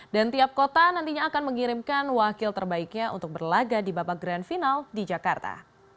dan tiap kota nantinya akan mengirimkan wakil terbaiknya untuk berlaga di babak grand final di jakarta